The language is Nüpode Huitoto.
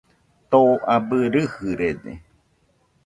Too abɨ rɨjɨrede